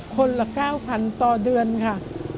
คนละ๙๐๐ต่อเดือนค่ะ